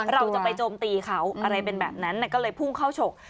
เราจะไปโจมตีเขาอะไรเป็นแบบนั้นก็เลยพุ่งเข้าฉก